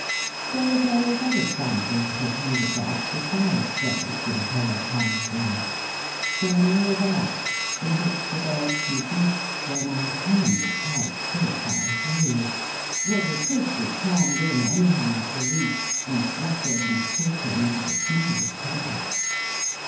There were various other samples of his handicraft besides Dolls, in Caleb Plummer's room. There were Noah's Arks, in which the Birds and Beasts were an uncommonly tight fit, I assure you; though they could be crammed in, anyhow, at the roof, and rattled and shaken into the smallest compass.